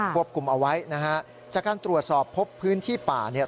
คุมเอาไว้นะฮะจากการตรวจสอบพบพื้นที่ป่าเนี่ย